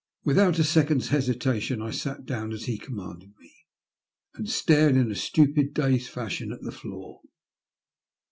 Without a second's hesitation I sat down as he commanded me, and stared in a stupid, dazed fashion at the floor.